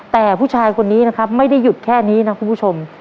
แต่ผู้ชายคนนี้นะครับไม่ได้หยุดแค่นี้นะคุณผู้ชม